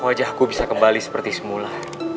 wajahku bisa kembali seperti semula